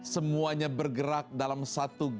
semuanya bergerak dalam satu gerakan